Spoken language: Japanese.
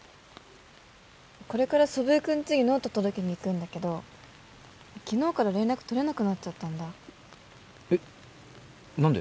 これから祖父江君ちにノート届けに行くんだけど昨日から連絡取れなくなっちゃったんだえっ何で？